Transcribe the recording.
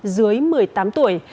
dưới một mươi tám tuổi